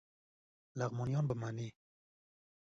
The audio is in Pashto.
لغمانیان به منی